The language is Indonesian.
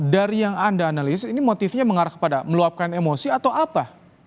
dari yang anda analisis ini motifnya mengarah kepada meluapkan emosi atau apa